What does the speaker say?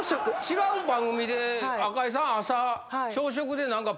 違う番組で赤井さん朝。